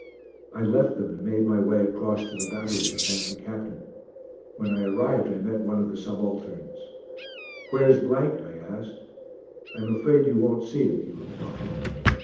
I left them and made my way across to the battery to thank the Captain. When I arrived I met one of the subalterns. "Where's ?" I asked. "I am afraid you won't see him," he replied.